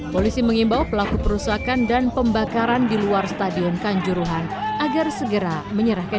polisi mengimbau pelaku perusakan dan pembakaran di luar stadion kanjuruhan agar segera menyerahkan